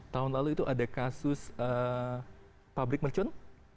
tahun lalu itu ada kasus pabrik mercon